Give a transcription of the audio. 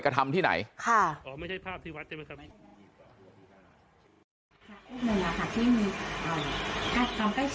กระทำที่ไหนค่ะอ๋อไม่ใช่ภาพที่วัดที่มันทำที่มี